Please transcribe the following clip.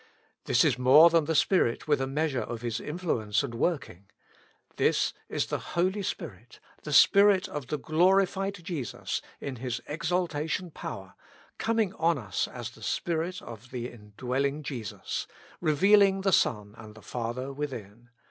This is more than tlie Spirit with a measure of His influence and working. This is the Holy Spirit, the Spirit of the glorified Jesus in His exaltation power, coming on us as the Spirit of the indwelling Jesus, revealing the Son and the Father within.